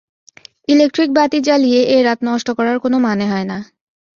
Electric বাতি জ্বালিয়ে এ-রাত নষ্ট করার কোনো মানে হয় না।